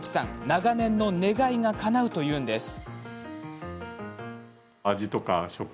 長年の願いがかなうというんです。